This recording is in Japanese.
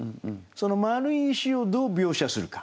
その丸い石をどう描写するか。